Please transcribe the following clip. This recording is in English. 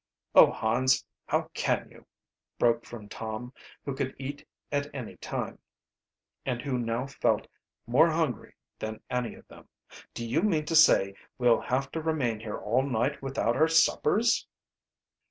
"Oh, Hans, how can you!" broke from Tom, who could eat at any time, and who now felt more hungry than any of them. "Do you mean to say we'll have to remain here all night without our suppers!"